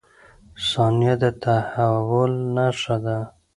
• ثانیه د تحول نښه ده.